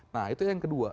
nah itu yang kedua